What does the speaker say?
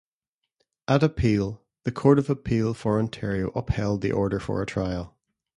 At appeal, the Court of Appeal for Ontario upheld the order for a trial.